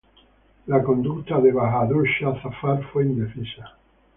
La conducta de Bahadur Shah Zafar fue indecisa.